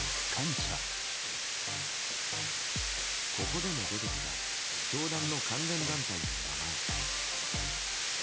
ここでも出てきた教団の関連団体の名前。